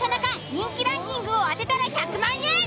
人気ランキングを当てたら１００万円！